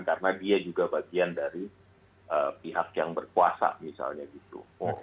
karena dia juga bagian dari pihak yang berkuasa misalnya gitu